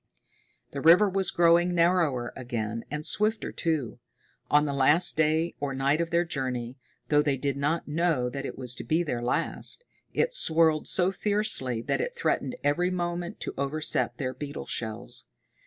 The river was growing narrower again, and swifter, too. On the last day, or night, of their journey though they did not know that it was to be their last it swirled so fiercely that it threatened every moment to overset their beetle shells.